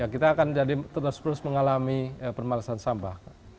kita akan terus terus mengalami permalesan sampah